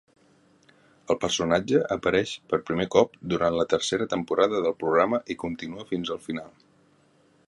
El personatge apareix per primer cop durant la tercera temporada del programa i continua fins al final.